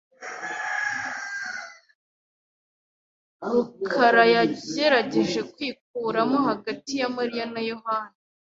rukarayagerageje kwikuramo hagati ya Mariya na Yohana.